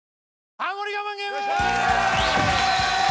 ハモリ我慢ゲーム！